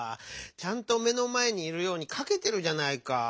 ちゃんと目のまえにいるようにかけてるじゃないかぁ。